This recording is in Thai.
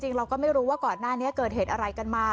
เราก็ไม่รู้ว่าก่อนหน้านี้เกิดเหตุอะไรกันมา